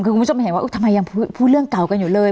คือคุณผู้ชมเห็นว่าทำไมยังพูดเรื่องเก่ากันอยู่เลย